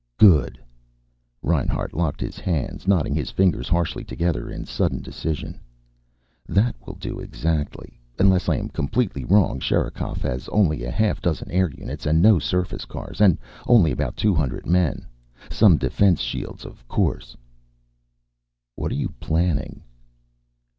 "Good." Reinhart locked his hands, knotting his fingers harshly together in sudden decision. "That will do exactly. Unless I am completely wrong, Sherikov has only a half dozen air units and no surface cars. And only about two hundred men. Some defense shields, of course " "What are you planning?"